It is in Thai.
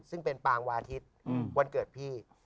ซึ่งเป็นปางวาทิตย์วันเกิดพี่